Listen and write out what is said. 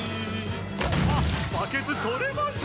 あっバケツ取れました！